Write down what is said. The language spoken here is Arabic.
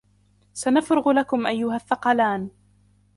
سَنَفْرُغُ لَكُمْ أَيُّهَ الثَّقَلَانِ